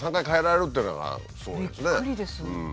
びっくりです。